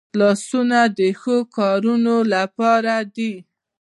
لاسونه د ښو کارونو لپاره دي